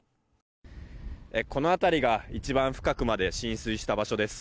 この辺りが一番深くまで浸水した場所です。